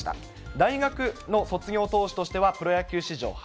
大学の卒業投手としては、プロ野球史上初。